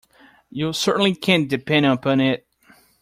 You certainly can't depend upon it.